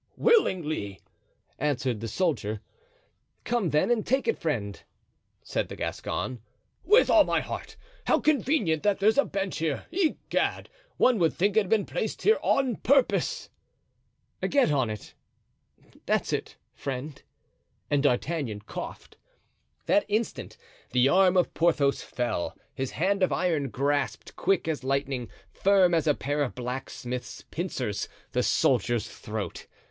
"Willingly," answered the soldier. "Come, then, and take it, friend," said the Gascon. "With all my heart. How convenient that there's a bench here. Egad! one would think it had been placed here on purpose." "Get on it; that's it, friend." And D'Artagnan coughed. That instant the arm of Porthos fell. His hand of iron grasped, quick as lightning, firm as a pair of blacksmith's pincers, the soldier's throat.